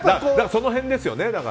その辺ですよね。